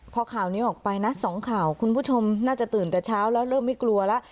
พอข่าวนี้ออกไปนะสองข่าวคุณผู้ชมน่าจะตื่นแต่เช้าแล้วเริ่มไม่กลัวแล้ว